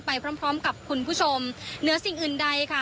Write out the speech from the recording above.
ไปพร้อมกับคุณผู้ชมเหนือสิ่งอื่นใดค่ะ